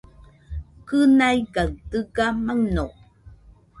Kɨnaigaɨ dɨga maɨno.